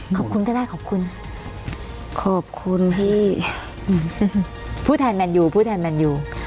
ขอบคุณก็ได้ขอบคุณขอบคุณที่ผู้แทนแมนยูผู้แทนแมนยู